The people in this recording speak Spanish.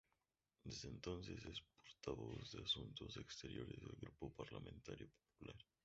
Desde entonces es Portavoz de Asuntos Exteriores del Grupo Parlamentario Popular.